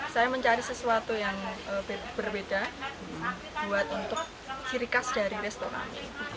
saya mencari sesuatu yang berbeda buat untuk ciri khas dari restoran